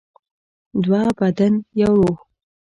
دوه بدن یو روح.